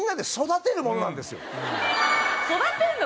育てるの？